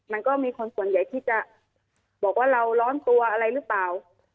มันก็มีคนส่วนใหญ่ที่จะบอกว่าเราร้อนตัวอะไรหรือเปล่า